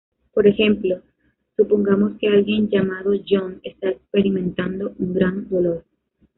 Por ejemplo, supongamos que alguien llamado John está experimentando un gran dolor.